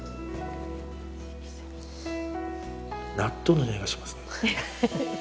納豆のにおいがしますね。